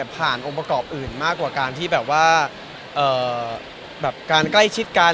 ผ่านองค์ประกอบอื่นมากกว่าการที่กล้ายชิดกัน